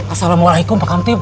assalamualaikum pak kantip